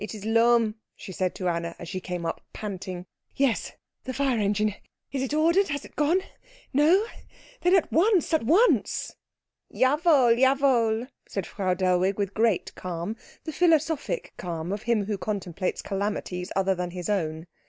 "It is Lohm," she said to Anna as she came up panting. "Yes the fire engine is it ordered? Has it gone? No? Then at once at once " "Jawohl, jawohl," said Frau Dellwig with great calm, the philosophic calm of him who contemplates calamities other than his own.